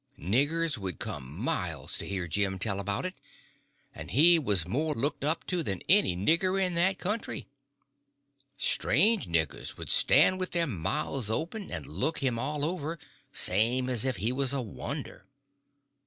Niggers would come miles to hear Jim tell about it, and he was more looked up to than any nigger in that country. Strange niggers would stand with their mouths open and look him all over, same as if he was a wonder.